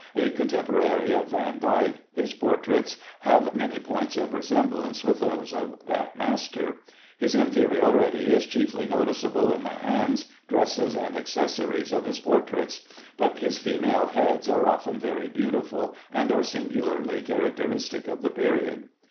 A contemporary of Vandyke, his portraits have many points of resemblance with those of that master. His inferiority is chiefly noticeable in the hands, dresses, and accessories of his portraits, but his female heads are often very beautiful, and are singularly characteristic of the period.